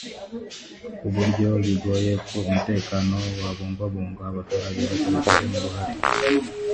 ku buryo bigoye ko umutekano wabungwabungwa abaturage batabigizemo uruhare